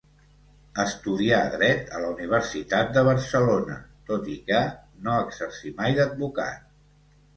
Estudià Dret a la Universitat de Barcelona, tot i que no exercí mai d'advocat.